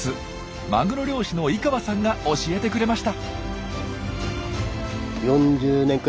マグロ漁師の伊川さんが教えてくれました。